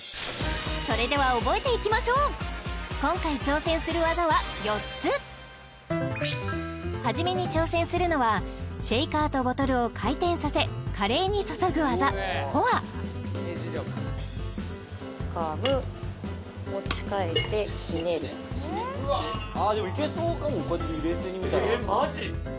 それでは覚えていきましょう今回挑戦する技は４つ初めに挑戦するのはシェイカーとボトルを回転させ華麗に注ぐ技ポアつかむ持ち替えてひねるああいけそうかもこうやって冷静に見たらええマジ？